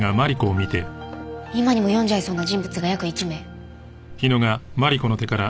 今にも読んじゃいそうな人物が約１名。